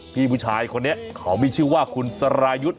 พี่ผู้ชายคนนี้เขามีชื่อว่าคุณสรายุทธ์